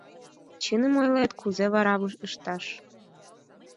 — Чыным ойлет... кузе вара ышташ?